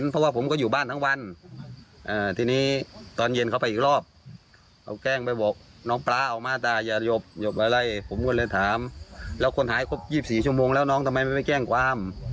ผมก็เลยถามแล้วคนหายครบ๒๔ชั่วโมงแล้วน้องทำไมไม่แกล้งความ